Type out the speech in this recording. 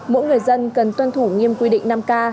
mỗi người dân cần tuân thủ nghiêm quy định năm k